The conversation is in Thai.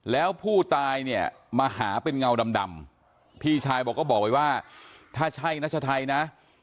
แล้วผู้ตายเนี่ยมาหาเป็นเงาดำพี่ชายบอกก็บอกไว้ว่าถ้าใช่นัชชัยนะ